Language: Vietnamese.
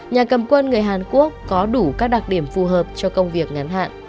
nhà cầm quân người hàn quốc có đủ các đặc điểm phù hợp cho công việc ngắn hạn